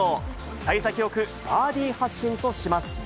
さい先よく、バーディー発進とします。